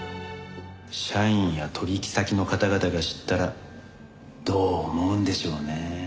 社員や取引先の方々が知ったらどう思うんでしょうね。